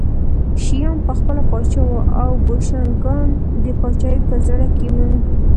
شیام پخپله پاچا و او بوشنګان د پاچاهۍ په زړه کې وو